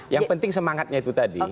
yang penting semangatnya itu tadi